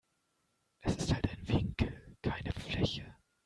Es ist halt ein Winkel, keine Fläche.